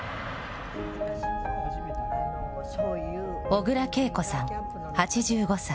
小倉桂子さん８５歳。